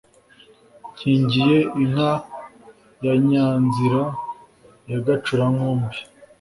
nkingiye inka ya nyanzira ya gacura nkumbi,